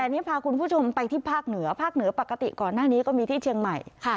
แต่นี่พาคุณผู้ชมไปที่ภาคเหนือภาคเหนือปกติก่อนหน้านี้ก็มีที่เชียงใหม่